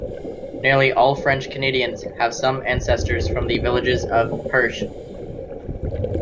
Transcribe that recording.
Nearly all French Canadians have some ancestors from the villages of Perche.